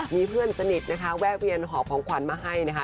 มีเพื่อนสนิทนะคะแวะเวียนหอบของขวัญมาให้นะคะ